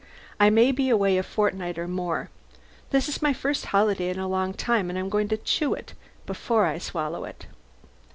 I may be away a fortnight more. This is my first holiday in a long time and I'm going to chew it before I swallow it.